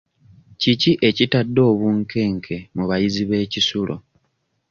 Kiki ekitadde obunkenke mu bayizi b'ekisulo.